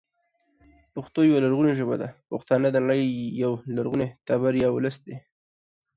پښتو يوه لرغونې ژبه او پښتانه د نړۍ یو لرغونی تبر یا ولس دی